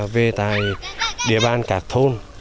về tại địa bàn các thôn